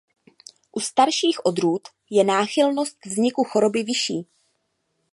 U starších odrůd je náchylnost k vzniku choroby vyšší.